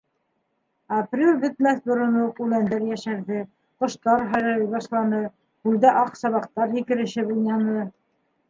Апрель бөтмәҫ борон уҡ үләндәр йәшәрҙе, ҡоштар һайрай башланы, күлдә аҡ сабаҡтар һикерешеп уйнаны.